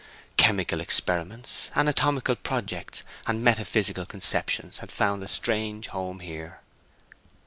Chemical experiments, anatomical projects, and metaphysical conceptions had found a strange home here.